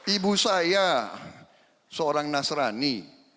ibu saya seorang nasrani